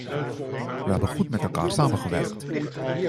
We hebben goed met elkaar samengewerkt.